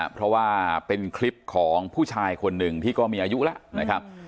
เพราะว่าเป็นคลิปของผู้ชายคนหนึ่งที่ก็มีอายุแล้วนะครับ